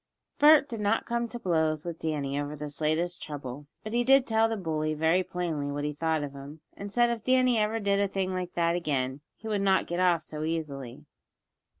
Bert did not come to blows with Danny over this latest trouble, but he did tell the bully, very plainly, what he thought of him, and said if Danny ever did a thing like that again that he would not get off so easily.